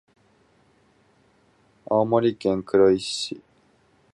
青森県黒石市